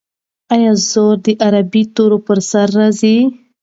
آیا زور د عربي تورو پر سر راځي؟